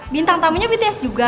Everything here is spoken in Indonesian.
bintang tamunya bts juga